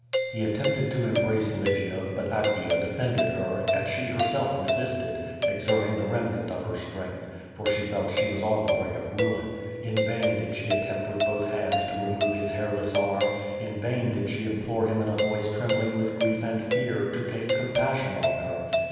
He attempted to embrace Lygia, but Actea defended her, and she herself resisted, exerting the remnant of her strength, for she felt she was on the brink of ruin. In vain did she at tempt with both hands to remove his hairless arm; in vain did she implore him in a voice trembling with grief and fear, to take compassion on her.